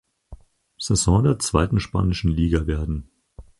Saison der zweiten spanischen Liga werden.